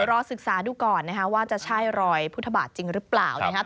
รอศึกษาดูก่อนนะคะว่าจะใช่รอยพุทธบาทจริงหรือเปล่านะครับ